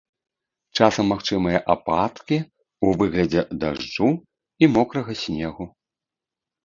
Часам магчымыя ападкі ў выглядзе дажджу і мокрага снегу.